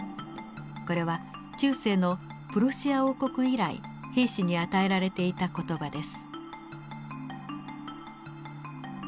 これは中世のプロシア王国以来兵士に与えられていた言葉です。